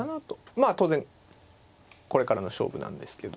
まあ当然これからの勝負なんですけど。